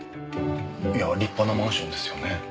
いやあ立派なマンションですよね。